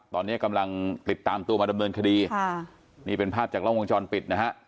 ตอนนี้กำลังติดตามตัวมาดำเนินคดีค่ะนี่เป็นภาพจากล้องวงจรปิดนะฮะ